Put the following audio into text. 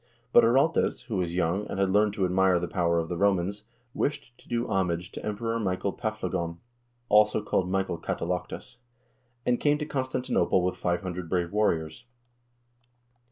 But Araltes, who was young and had learned to admire the power of the Romans, wished to do homage to Emperor Michael Paflagon (also called Michael Katalaktus), and came to Constanti nople with 500 brave warriors.